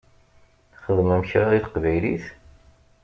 Txedmem kra i teqbaylit?